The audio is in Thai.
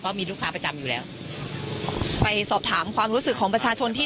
มีลูกค้าประจำอยู่แล้วไปสอบถามความรู้สึกของประชาชนที่